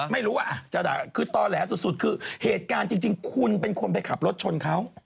ไม่รู้ว่าจะด่าคือต่อแหลสุดคือเหตุการณ์จริงคุณเป็นคนไปขับรถชนเขา